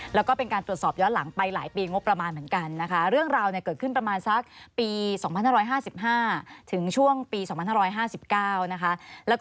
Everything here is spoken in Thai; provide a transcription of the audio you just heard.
แล้วก็เป็นการตรวจสอบย้อนหลังไปหลายปีงบประมาณเหมือนกันนะคะ